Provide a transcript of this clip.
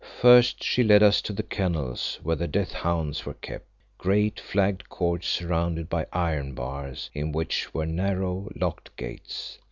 First she led us to the kennels where the death hounds were kept, great flagged courts surrounded by iron bars, in which were narrow, locked gates.